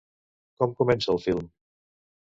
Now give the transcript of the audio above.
Com comença el film?